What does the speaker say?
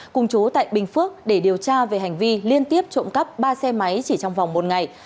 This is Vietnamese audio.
cùng chú tại bình phước để điều tra về hành vi liên tiếp trộm cắp ba xe máy chỉ trong vòng một ngày